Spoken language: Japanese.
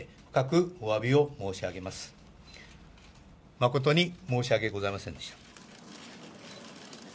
誠に申し訳ございませんでした。